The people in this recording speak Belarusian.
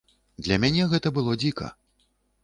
Для мяне гэта было дзіка.